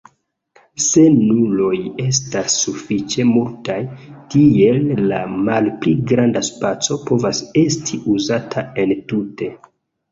Se nuloj estas sufiĉe multaj, tiel la malpli granda spaco povas esti uzata entute.